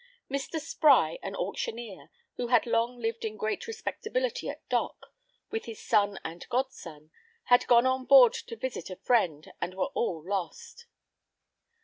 Mr. Spry, an auctioneer, who had long lived in great respectability at Dock, with his son and god son, had gone on board to visit a friend, and were all lost.